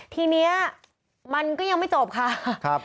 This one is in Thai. ทีนี้มันก็ยังไม่จบค่ะ